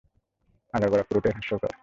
আগাগোড়া পুরোটাই হাস্যকর!